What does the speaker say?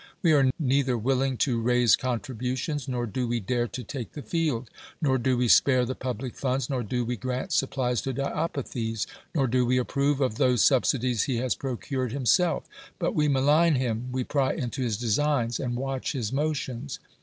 We are neither willing to raise contributions, nor do we dare to take the field, nor do we spare the public funds, nor do w^e grant supplies to Diopithes, nor do we approve of those subsidies he has procured himself; but M e malign him, we pry into his designs, and watch his motions.